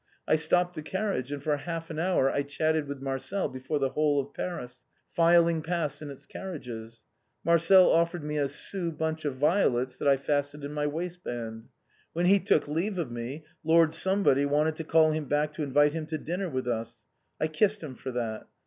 I stopped the carriage, and for half an hour I chatted with Marcel before the whole of Paris, filing past in its carriages. Mar cel offered me a sou bunch of violets tliat I fastened in my waistband. When he took leave of me Lord wanted to call him back to invite him to dinner with us. I kissed him for that.